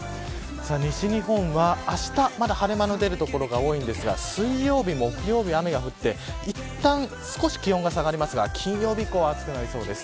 西日本はあしたまだ晴れ間の出る所が多いんですが水曜日、木曜日、雨が降っていったん少し気温が下がりますが金曜日以降は暑くなりそうです。